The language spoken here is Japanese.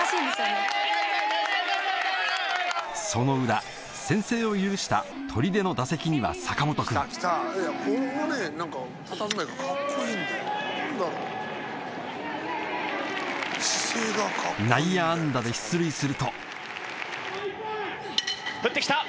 その裏先制を許した取手の打席には坂本くん内野安打で出塁すると振って来た